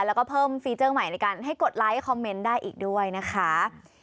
แล้วก็เพิ่มฟีเจอร์ใหม่ในการให้กดไลค์คอมเมนต์ได้อีกด้วยนะคะ